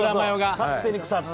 勝手に腐って。